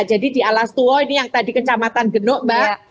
jadi di alastuwo ini yang tadi kecamatan genuk mbak